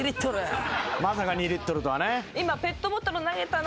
まさか２リットルとはね。